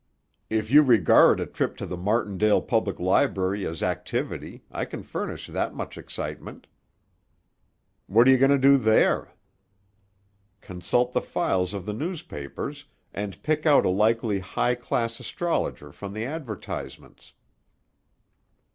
"If you regard a trip to the Martindale Public Library as activity, I can furnish that much excitement." "What are you going to do there?" "Consult the files of the newspapers, and pick out a likely high class astrologer from the advertisements."